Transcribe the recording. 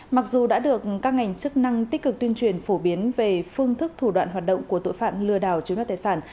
mặc dù đã được các ngành chức năng tích cực tuyên truyền phổ biến về phương thức thủ đoạn hoạt động của tội phạm lừa đảo chiếu đoạt tài sản